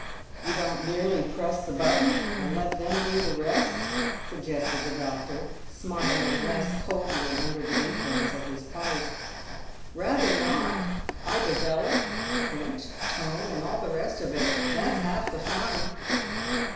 "You don't merely press the button and let them do the rest?" suggested the doctor, smiling less coldly under the influence of his pipe. "Rather not! I develop, print, tone, and all the rest of it; that's half the fun."